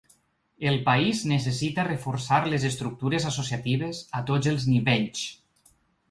El país necessita reforçar les estructures associatives a tots els nivells.